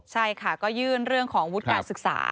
ใช่ค่ะก็ยื่นเรื่องของวุฒิการศึกษา